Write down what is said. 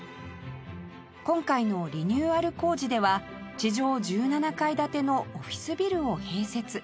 今回のリニューアル工事では地上１７階建てのオフィスビルを併設